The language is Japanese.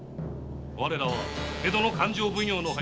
我らは江戸の勘定奉行の配下。